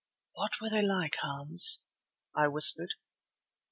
"What were they like, Hans?" I whispered.